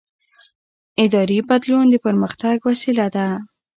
اداري بدلون د پرمختګ وسیله ده